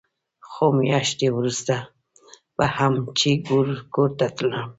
خو مياشت وروسته به هم چې کور ته تلم.